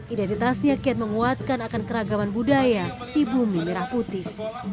identitasnya kian menguatkan akan keragaman budaya di bumi merah putih